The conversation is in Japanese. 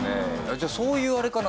じゃあそういうあれかな？